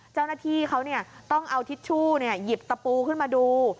เจ้าหน้าที่เขาต้องเอาทิชชู่หยิบตะปูขึ้นมาดู